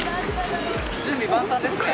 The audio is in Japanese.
準備万端ですね。